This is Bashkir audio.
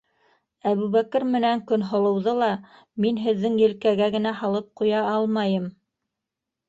Әбүбәкер менән Көнһылыуҙы ла мин һеҙҙең елкәгә генә һалып ҡуя алмайым.